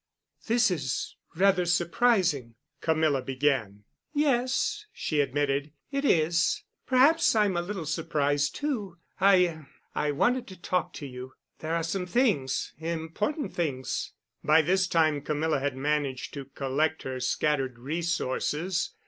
"This is—rather surprising," Camilla began. "Yes," she admitted, "it is. Perhaps I'm a little surprised, too. I—I wanted to talk to you. There are some things—important things——" By this time Camilla had managed to collect her scattered resources.